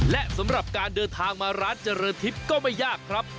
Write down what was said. และสำหรับการเดินทางมาร้านเจริญทิพย์ก็ไม่ยากครับ